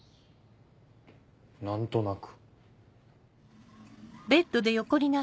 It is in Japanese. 何となく？